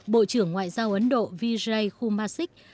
bộ trưởng ngoại giao ấn độ vijay kumasik